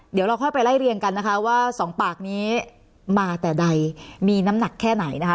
เดี๋ยวเราค่อยไปไล่เรียงกันนะคะว่าสองปากนี้มาแต่ใดมีน้ำหนักแค่ไหนนะคะ